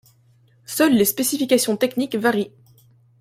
Seules les spécifications techniques varient.